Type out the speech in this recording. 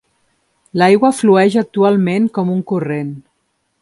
L'aigua flueix actualment com un corrent.